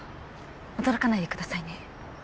驚かないでくださいね。